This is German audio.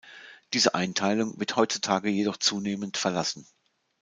Diese Einteilung wird heutzutage jedoch zunehmend verlassen.